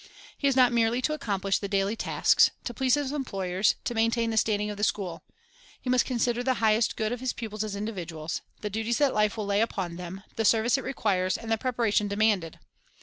He is not merely to accomplish the daily tasks, to please his employers, to maintain the standing of the school; he must consider the highest good of his pupils as individuals, the duties that life will lay upon them, the service it requires, and the preparation demanded.